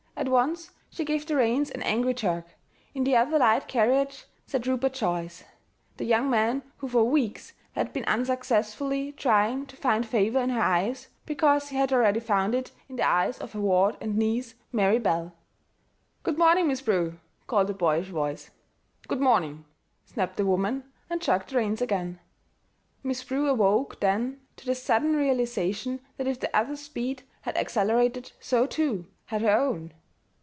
At once she gave the reins an angry jerk; in the other light carriage sat Rupert Joyce, the young man who for weeks had been unsuccessfully trying to find favor in her eyes because he had already found it in the eyes of her ward and niece, Mary Belle. "Good morning, Miss Prue," called a boyish voice. "Good morning," snapped the woman, and jerked the reins again. Miss Prue awoke then to the sudden realization that if the other's speed had accelerated, so, too, had her own.